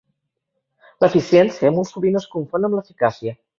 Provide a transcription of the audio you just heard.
L'eficiència molt sovint és confon amb l'eficàcia.